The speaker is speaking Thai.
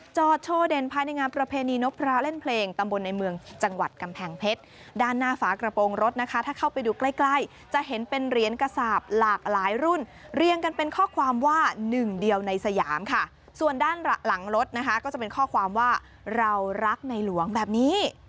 โชว์เด่นภายในงานประเพณีนกพระเล่นเพลงตำบลในเมืองจังหวัดกำแพงเพชรด้านหน้าฝากระโปรงรถนะคะถ้าเข้าไปดูใกล้ใกล้จะเห็นเป็นเหรียญกระสาปหลากหลายรุ่นเรียงกันเป็นข้อความว่าหนึ่งเดียวในสยามค่ะส่วนด้านหลังรถนะคะก็จะเป็นข้อความว่าเรารักในหลวงแบบนี้